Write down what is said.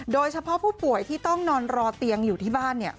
โดยเฉพาะผู้ป่วยที่ต้องนอนรอเตียงอยู่ที่บ้านเนี่ย